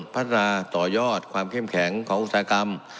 พัฒนาต่อยอดความเข้มแข็งของอุตสาหกรรม